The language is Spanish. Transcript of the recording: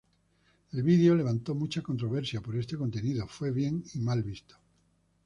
El vídeo levantó mucha controversia por este contenido, fue bien y mal visto.